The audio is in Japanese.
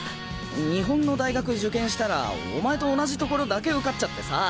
日本の大学受験したらお前と同じところだけ受かっちゃってさ。